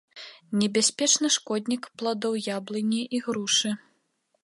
Небяспечны шкоднік пладоў яблыні і грушы.